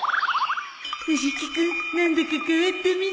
藤木君何だか変わったみたい